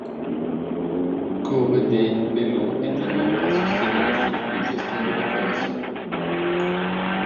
Korede Bello est un membre associé de l'Institut de gestion de l'information.